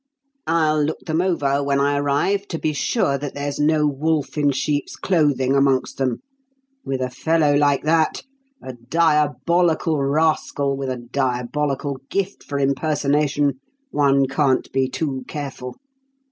I'll look them over when I arrive to be sure that there's no wolf in sheep's clothing amongst them. With a fellow like that a diabolical rascal with a diabolical gift for impersonation one can't be too careful.